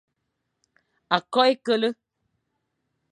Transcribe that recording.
Akok h e kele,